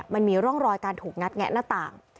มันมีร่องรอยการถูกงัดแงะหน้าต่าง